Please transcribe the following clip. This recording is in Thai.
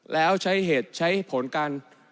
แล้วใช้เหตุใช้ผลการ